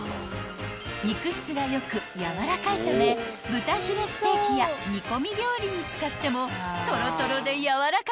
［肉質が良くやわらかいため豚ヒレステーキや煮込み料理に使ってもトロトロでやわらかく大人気］